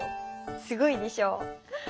すごいでしょう！